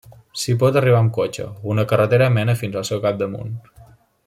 S'hi pot arribar amb cotxe, una carretera mena fins al seu capdamunt.